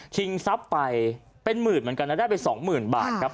ทรัพย์ไปเป็นหมื่นเหมือนกันนะได้ไปสองหมื่นบาทครับ